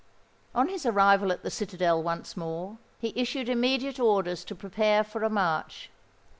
On his arrival at the citadel once more, he issued immediate orders to prepare for a march.